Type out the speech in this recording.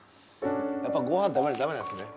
やっぱごはん食べないとダメなんですね。